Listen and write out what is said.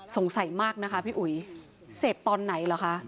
สงสัยมากนะคะพี่อุ๋ยเสพตอนไหนเหรอคะ